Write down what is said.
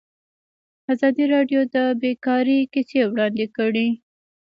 ازادي راډیو د بیکاري کیسې وړاندې کړي.